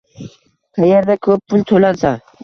qayerda ko‘proq pul to‘lansa